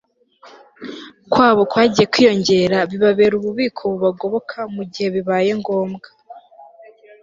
kwabo kwagiye kwiyongera bibabera ububiko bubagoboka mu gihe bibaye ngombwa